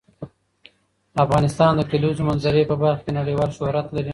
افغانستان د د کلیزو منظره په برخه کې نړیوال شهرت لري.